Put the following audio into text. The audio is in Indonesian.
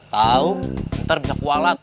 tau ntar bisa kualat